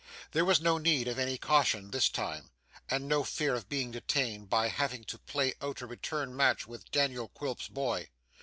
There was no need of any caution this time, and no fear of being detained by having to play out a return match with Daniel Quilp's boy.